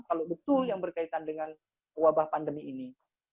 kalau betul yang berkaitan dengan wabah pandemi ini